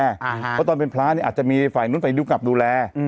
เพราะตอนเป็นพระเนี่ยอาจจะมีฝ่ายนู้นฝ่ายดูกลับดูแล